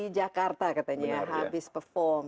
jakarta katanya habis perform